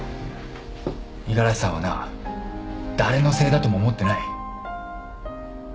五十嵐さんはな誰のせいだとも思ってない。